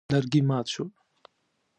لرګي مات شول.